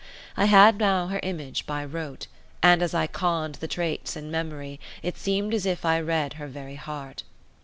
I had now her image by rote, and as I conned the traits in memory it seemed as if I read her very heart.